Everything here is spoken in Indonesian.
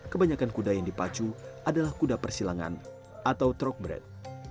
kebanyakan kuda yang dipacu adalah kuda persilangan atau trokbret